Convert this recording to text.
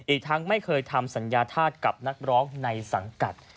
อีกทั้งไม่เคยทำสัญญาธาตุกับนักร้องในสังกัด